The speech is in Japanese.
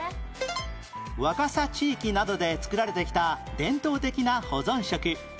若狭地域などで作られてきた伝統的な保存食